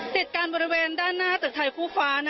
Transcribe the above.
ติดกันบริเวณด้านหน้าตึกไทยภูฟ้า